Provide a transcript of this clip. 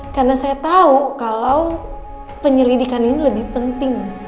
karena saya tahu kalau penyelidikan ini lebih penting